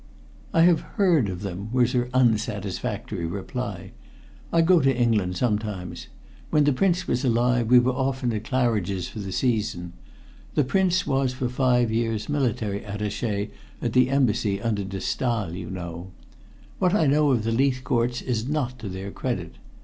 "I have heard of them," was her unsatisfactory reply. "I go to England sometimes. When the Prince was alive, we were often at Claridge's for the season. The Prince was for five years military attaché at the Embassy under de Staal, you know. What I know of the Leithcourts is not to their credit.